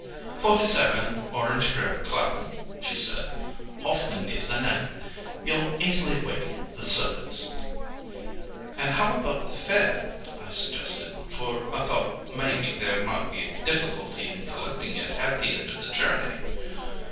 "'Forty seven, Orange Grove, Clapham,' she said. 'Hoffman is the name. You'll easily waken the servants.' "'And how about the fare?' I suggested, for I thought maybe there might be a difficulty in collecting it at the end of the journey.